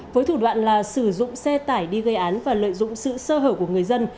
với thủ đoạn là sử dụng xe tải đi gây án và lợi dụng sự sơ hở của người dân